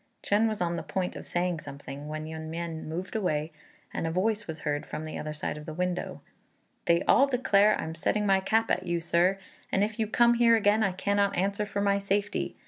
Chên was on the point of saying something, when Yün mien moved away, and a voice was heard from the other side of the window, "They all declare I'm setting my cap at you, Sir; and if you come here again, I cannot answer for my safety.